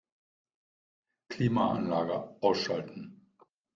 Klimaanlage ausschalten.